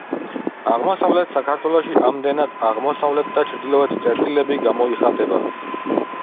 აღმოსავლეთ საქართველოში ამდენად აღმოსავლეთ და ჩრდილოეთ წერტილები გამოიხატება.